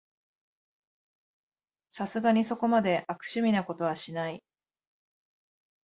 さすがにそこまで悪趣味なことはしない